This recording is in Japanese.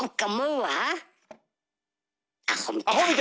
はい。